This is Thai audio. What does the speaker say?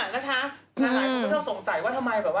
หลายคนก็ชอบสงสัยว่าทำไม